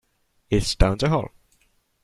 It's down the hall.